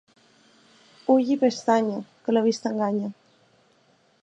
Ull i pestanya, que la vista enganya.